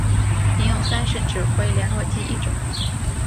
仅有三式指挥连络机一种。